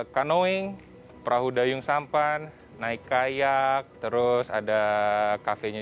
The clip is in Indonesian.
kanoing perahu dayung sampan naik kayak terus ada kafenya